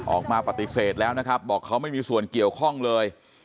ออกมาปฏิเสธแล้วนะครับบอกเขาไม่มีส่วนเกี่ยวข้องเลย